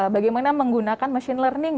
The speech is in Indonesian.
bagaimana menggunakan machine learning